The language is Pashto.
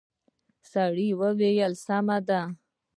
سړي وويل سمه ده.